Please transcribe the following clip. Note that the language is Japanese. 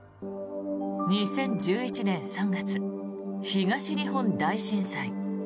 ２０１１年３月、東日本大震災。